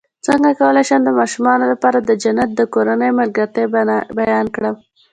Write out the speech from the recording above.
څنګه کولی شم د ماشومانو لپاره د جنت د کورنۍ ملګرتیا بیان کړم